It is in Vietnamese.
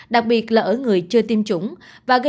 đặc biệt là ở người chưa tiêm chủng